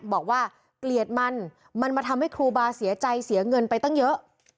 บอกว่าเกลียดมันมันมาทำให้ครูบาเสียใจเสียเงินไปตั้งเยอะ